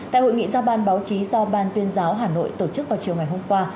tại hội nghị giao ban báo chí do ban tuyên giáo hà nội tổ chức vào chiều ngày hôm qua